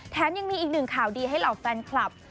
ยังมีอีกหนึ่งข่าวดีให้เหล่าแฟนคลับ